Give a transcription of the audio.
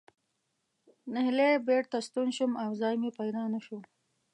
نهیلی بېرته ستون شوم او ځای مې پیدا نه شو.